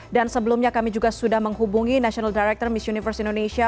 dan sebelumnya kami juga sudah menghubungi national director miss universe indonesia